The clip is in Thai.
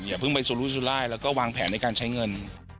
อย่าเพิ่งไปสุรุสุรายแล้วก็วางแผนในการใช้เงิน